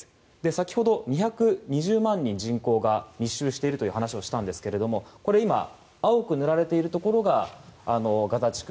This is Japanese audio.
先ほど、２２０万人人口が密集していると話しましたが今、青く塗られているところがガザ地区。